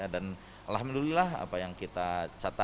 dan alhamdulillah apa yang kita catatkan